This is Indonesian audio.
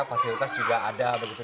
fasilitas juga ada begitu